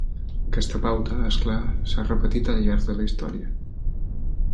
Aquesta pauta, és clar, s'ha repetit al llarg de la història.